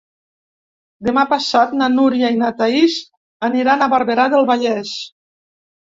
Demà passat na Núria i na Thaís aniran a Barberà del Vallès.